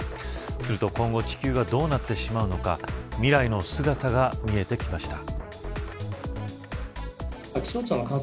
すると今後地球はどうなってしまうのか未来の姿が見えてきました。